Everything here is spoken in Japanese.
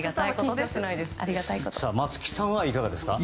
松木さんはいかがですか？